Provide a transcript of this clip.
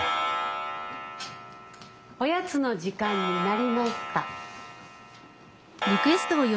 おやつの時間になりました。